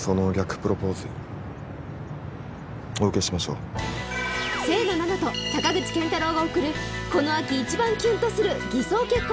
プロポーズお受けしましょう清野菜名と坂口健太郎が送るこの秋一番キュンとする偽装結婚